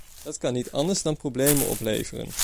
Dat kan niet anders dan problemen opleveren.